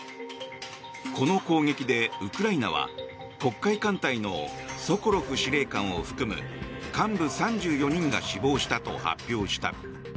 この攻撃でウクライナは黒海艦隊のソコロフ司令官を含む幹部３４人が死亡したと発表した。